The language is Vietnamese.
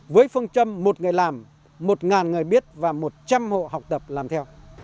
với phương châm một người làm một ngàn người biết và một trăm hộ học tập làm theo